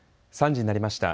３時になりました。